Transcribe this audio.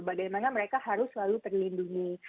bagaimana mereka harus selalu terlindungi